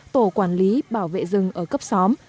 tổ quản lý bảo vệ rừng ở cấp xóm